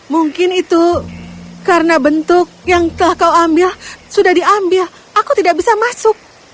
mungkin itu karena bentuk yang telah kau ambil sudah diambil aku tidak bisa masuk